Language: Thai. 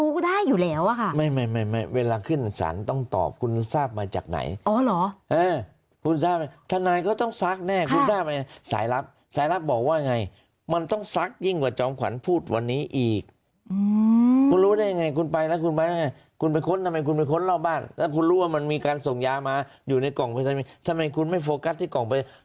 คือเราต้องตั้งคำถามได้หรือว่าตำรวจเจ้าหน้าที่ฝ่ายปกครองหรือฝ่ายใด